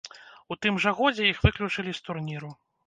У тым жа годзе іх выключылі з турніру.